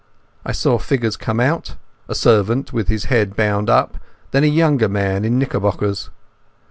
I saw figures come out—a servant with his head bound up, and then a younger man in knickerbockers.